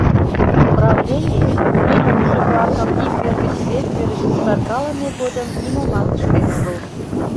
Правлений туныктышо-влакым ик вер гыч вес верыш кусаркалыме годым нимомат ыштен огыл.